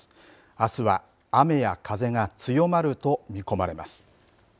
あすは雨や風が強まると見込まれます。